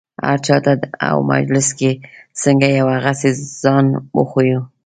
هر چا ته او مجلس کې څنګه یو هغسې ځان وښیو.